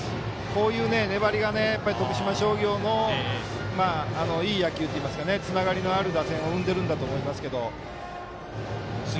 こういう粘りが徳島商業のいい野球というかつながりのある打線を生んでるんだと思いますけど。